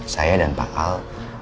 saya dan pak al